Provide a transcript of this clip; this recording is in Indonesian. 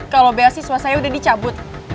kalau beasiswa saya sudah dicabut